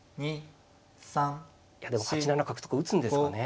いやでも８七角とか打つんですかね。